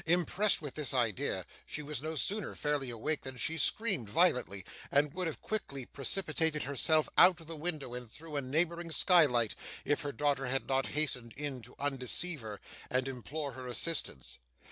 Impressed with this idea, she was no sooner fairly awake than she screamed violently, and would have quickly precipitated herself out of the window and through a neighbouring skylight, if her daughter had not hastened in to undeceive her, and implore her assistance.